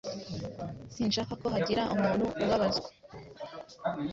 Sinshaka ko hagira umuntu ubabaza.